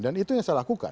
dan itu yang saya lakukan